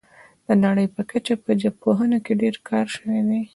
د نړۍ په کچه په ژبپوهنه کې ډیر کار شوی دی